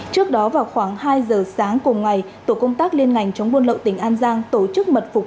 trước đó vào khoảng hai giờ sáng cùng ngày tổ công tác liên ngành chống buôn lậu tỉnh an giang tổ chức mật phục